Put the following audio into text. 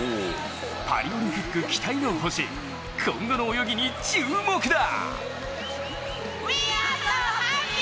パリオリンピックの期待の星、今後の泳ぎに注目だ！